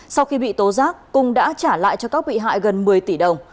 sau khi bị tố giác cung đã trả lại cho các bị hại gần một mươi tỷ đồng